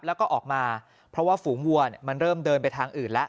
แล้วก็ออกมาเพราะว่าฝูงวัวมันเริ่มเดินไปทางอื่นแล้ว